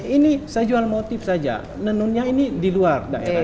ini saya jual motif saja nenunnya ini di luar daerah